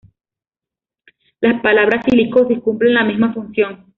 La palabra silicosis cumple la misma función.